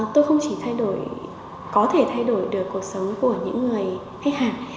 tôi không chỉ thay đổi có thể thay đổi được cuộc sống của những người khách hàng